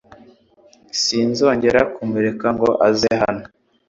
Sinzongera kumureka ngo aze hano.